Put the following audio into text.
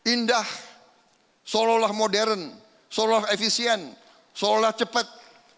indah seolah olah modern seolah olah efisien seolah cepat